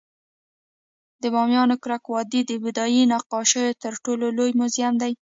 د بامیانو ککرک وادي د بودايي نقاشیو تر ټولو لوی موزیم دی